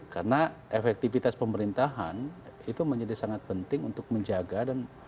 karena efektivitas pemerintahan itu menjadi sangat penting untuk menjaga dan